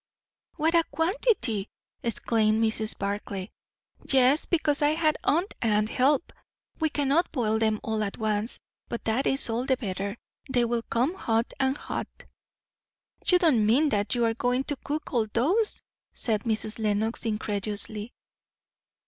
"What a quantity!" exclaimed Mrs. Barclay. "Yes, because I had aunt Anne to help. We cannot boil them all at once, but that is all the better. They will come hot and hot." "You don't mean that you are going to cook all those?" said Mrs. Lenox incredulously.